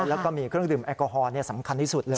แล้วก็มีเครื่องดื่มแอลกอฮอลสำคัญที่สุดเลย